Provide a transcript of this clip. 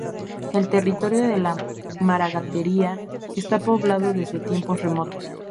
El territorio de la Maragatería está poblado desde tiempos remotos.